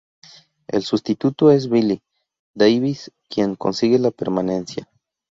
El sustituto es Billy Davies quien consigue la permanencia.